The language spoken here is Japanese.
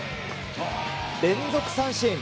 連続三振。